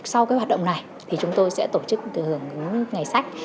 sau hoạt động này chúng tôi sẽ tổ chức hưởng ngữ ngày sách